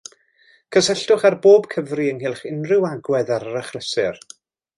Cysylltwch ar bob cyfri ynghylch unrhyw agwedd ar yr achlysur